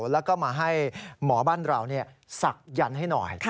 แล้วก็มาให้หมอบ้านเราศักยันต์ให้หน่อย